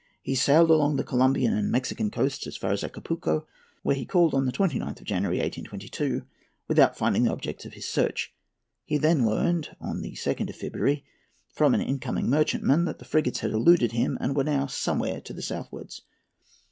He sailed along the Colombian and Mexican coasts as far as Acapulco, where he called on the 29th of January, 1822, without finding the objects of his search. He there learned, on the 2nd of February, from an in coming merchantman, that the frigates had eluded him and were now somewhere to the southwards.